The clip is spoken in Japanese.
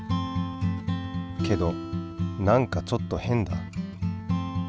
けど何かちょっと変だ。